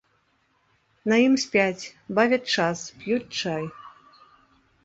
На ім спяць, бавяць час, п'юць чай.